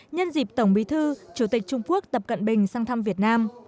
nhân dịp tổng bí thư chủ tịch trung quốc tập cận bình sang thăm việt nam